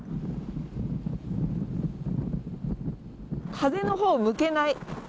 風のほう向けない。